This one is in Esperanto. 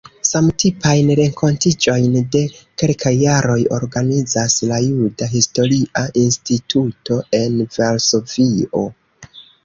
Samtipajn renkontiĝojn de kelkaj jaroj organizas la Juda Historia Instituto en Varsovio.